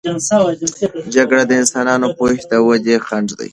جګړه د انساني پوهې د ودې خنډ دی.